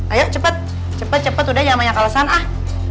ayo cepet cepet cepet udah jangan banyak alasan ah